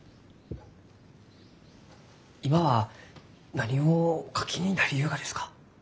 今は何をお書きになりゆうがですか？